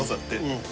うん。